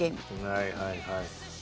はいはいはい。